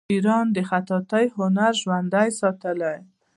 ایران د خطاطۍ هنر ژوندی ساتلی.